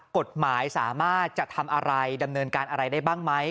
กฎหมายสามารถจะทำอะไรดำเนินการอะไรได้บ้างไหม